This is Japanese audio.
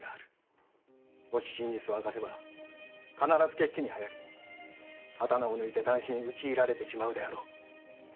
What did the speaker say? もし真実を明かせば必ず血気にはやり刀を抜いて単身討ち入られてしまうだろう。